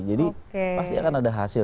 pasti akan ada hasil